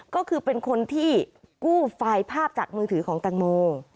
ก็คือเป็นคนที่กู้ไฟล์ภาพจากมือถือของแตงโม